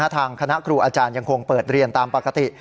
ทางคณะครูอาจารย์ยังคงเปิดเรียนตามปกติ